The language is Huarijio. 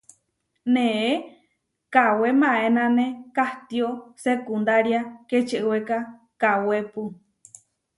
Neé kawé maénane kahtió sekundária kečewéka kawépu.